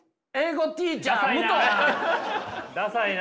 ダサいな。